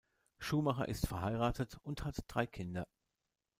Schuhmacher ist verheiratet und hat drei Kinder.